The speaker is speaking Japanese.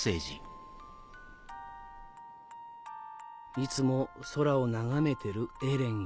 「いつも空を眺めてるエレンへ」？